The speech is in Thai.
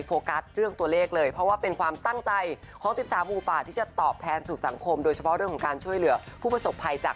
ก็ติดตามนะคะเป็นกำลังใจให้แต่ที่แน่นอนก็คือดังทั่วโลกนะครับ